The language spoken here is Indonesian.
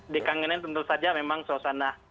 dikangenin tentu saja memang suasana